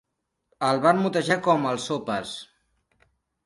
El van motejar com "el Sopes".